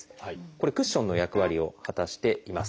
これクッションの役割を果たしています。